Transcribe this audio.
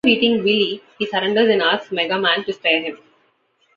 After beating Wily, he surrenders and asks Mega Man to spare him.